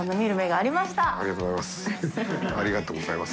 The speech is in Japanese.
ありがとうございます。